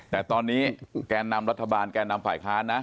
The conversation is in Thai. แต่ตอนนี้แกนนำรัฐบาลแกนนำฝ่ายค้านนะ